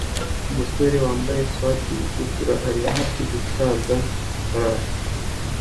Umusore wambaye swater itukura ari hafi gutabwa ifarashi